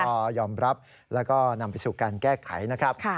ก็ยอมรับแล้วก็นำไปสู่การแก้ไขนะครับ